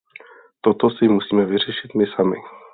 Toto si musíme vyřešit my sami.